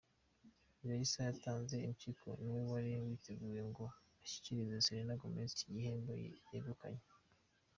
Raisa watanze impyiko niwe wari wateguwe ngo ashyikirize Serena Gomez iki gihembo yegukanye.